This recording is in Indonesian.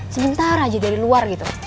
sebentar aja dari luar gitu